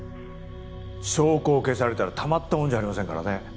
証拠を消されたらたまったものじゃありませんからね。